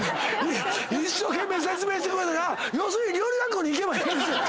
一生懸命説明してくれんのにな「料理学校に行けばいいんですね」